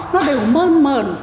nó đều mơn mờn